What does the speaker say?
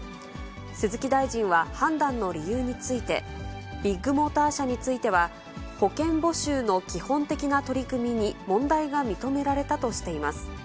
鈴木大臣は、判断の理由について、ビッグモーター社については、保険募集の基本的な取り組みに問題が認められたとしています。